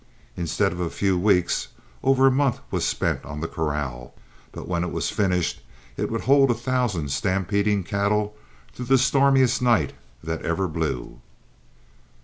Instead of a few weeks, over a month was spent on the corral, but when it was finished it would hold a thousand stampeding cattle through the stormiest night that ever blew.